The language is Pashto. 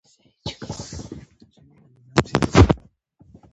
د بانکي معاملاتو تاریخچه پیرودونکو ته په واک کې ورکول کیږي.